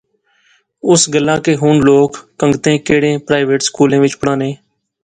اس گلاہ کہ ہن لوک کنگتیں کڑئیں پرائیویٹ سکولیں وچ پڑھانے